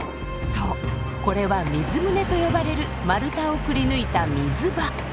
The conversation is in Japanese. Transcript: そうこれは「水舟」と呼ばれる丸太をくりぬいた水場。